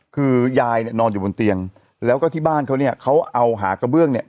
คือยายเนี่ยนอนอยู่บนเตียงแล้วก็ที่บ้านเขาเนี่ยเขาเอาหากระเบื้องเนี่ย